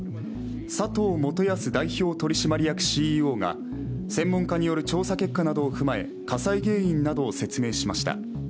佐藤元保代表取締役ＣＥＯが専門家による調査結果などを踏まえ火災原因などを説明しました。